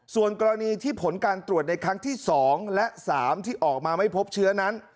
ส่วนกรณีที่ผลการตรวจในครั้งที่๒และ๓ที่ออกมาไม่พบเชื้อนั้น